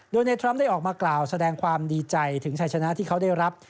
โดยในทรัมป์ได้ออกมากล่าวแสดงความดีใจถึงชัยชนะที่เขาได้รับ